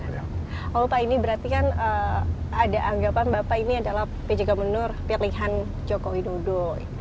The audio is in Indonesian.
kalau pak ini berarti kan ada anggapan bapak ini adalah pjk menur pilihan joko widodo